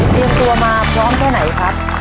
เตรียมตัวมาพร้อมแค่ไหนครับ